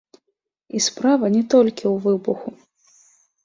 І справа не толькі ў выбуху.